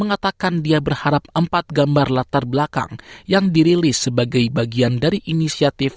mengatakan dia berharap empat gambar latar belakang yang dirilis sebagai bagian dari inisiatif